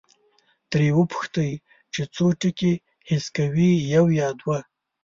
ترې وپوښتئ چې څو ټکي حس کوي، یو یا دوه؟